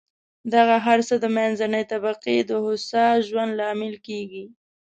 دغه هر څه د منځنۍ طبقې د هوسا ژوند لامل کېږي.